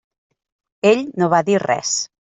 Ell no va dir res.